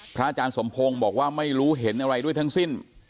อาจารย์สมพงศ์บอกว่าไม่รู้เห็นอะไรด้วยทั้งสิ้น